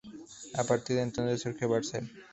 A partir de entonces surge Barcel.